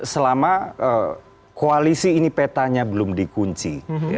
selama koalisi ini petanya belum dikunci